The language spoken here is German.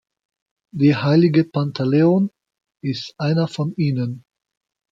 Der heilige Pantaleon ist einer von ihnen.